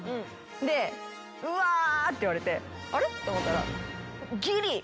で「うわ！」って言われて「あれ？」と思ったら。